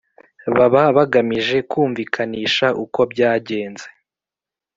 Baba bagamije kumvikanisha uko byagenze